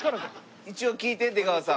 一応聞いて出川さん。